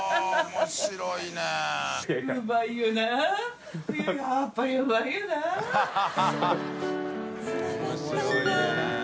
面白いよね。